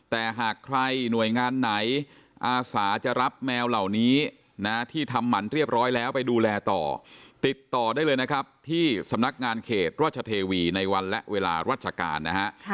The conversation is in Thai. แต่หากใครหน่วยงานไหนอาสาจะรับแมวเหล่านี้นะที่ทำหมันเรียบร้อยแล้วไปดูแลต่อติดต่อได้เลยนะครับที่สำนักงานเขตราชเทวีในวันและเวลาราชการนะฮะ